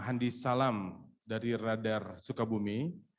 handi salam dari radar sukabumi